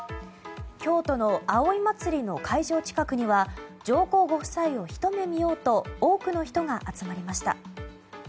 京都の葵祭の会場近くには上皇ご夫妻をひと目見ようと多くの人が集まりました。